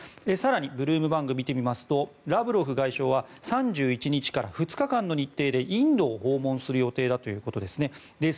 更にブルームバーグを見てみますとラブロフ外相は３１日から２日間の日程でインドを訪問する予定だということです。